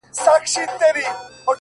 هغه مئین خپل هر ناهیلي پل ته رنگ ورکوي،